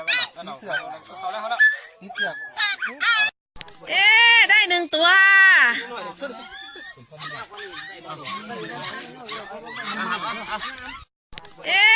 สวยกันด้วยสวยกันด้วย